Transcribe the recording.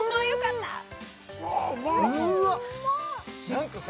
何かさ